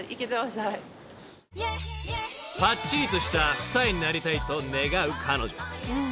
［パッチリとした二重になりたいと願う彼女］